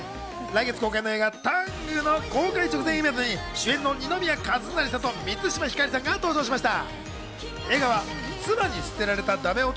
来月公開の映画『ＴＡＮＧタング』の公開直前イベントに主演の二宮和也さんと満島ひかりさんが登場しました。